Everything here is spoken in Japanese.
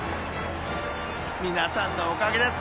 ［皆さんのおかげです］